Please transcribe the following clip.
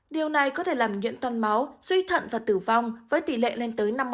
điều này có thể làm nhuyễn toàn máu suy thận và tử vong với tỷ lệ lên tới năm mươi